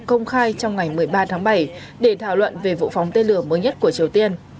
công khai trong ngày một mươi ba tháng bảy để thảo luận về vụ phóng tên lửa mới nhất của triều tiên